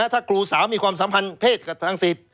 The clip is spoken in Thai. ถ้าครูสาวมีความสัมพันธ์เพศกับทางสิทธิ